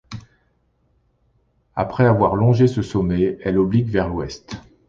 Après avoir longé ce sommet, elle oblique vers l'ouest.